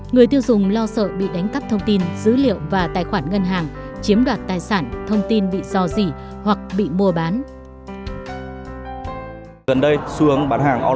người tiêu dùng lo sợ bị đánh cắp thông tin dữ liệu và tài khoản ngân hàng chiếm đoạt tài sản thông tin bị do dị hoặc bị mua bán